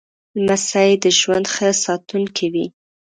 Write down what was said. لمسی د ژوند ښه ساتونکی وي.